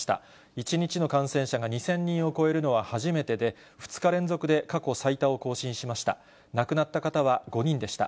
１日の感染者が２０００人を超えるのは初めてで、２日連続で過去最多を更新しました。